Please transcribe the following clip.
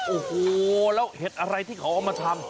โอ้โหแล้วเห็ดอะไรที่เขาเอามาทำ